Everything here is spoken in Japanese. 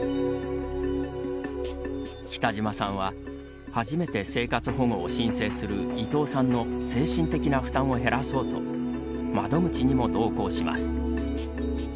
北島さんは、初めて生活保護を申請する伊藤さんの精神的な負担を減らそうと窓口にも同行します。